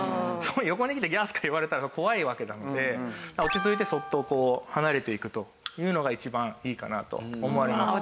横に来てギャースカ言われたら怖いわけなんで落ち着いてそっと離れていくというのが一番いいかなと思われますね。